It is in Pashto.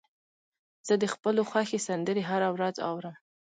زه د خپلو خوښې سندرې هره ورځ اورم.